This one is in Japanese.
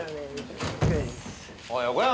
おい横山！